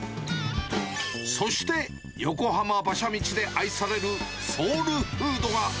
そして、横浜・馬車道で愛されるソウルフードが。